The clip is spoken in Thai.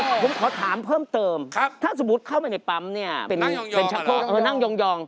ผมขอถามเพิ่มเติมถ้าสมมุติเข้าไปในปั๊มเนี่ยนั่งยอง